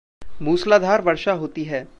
मुसलाधार वर्षा होती है।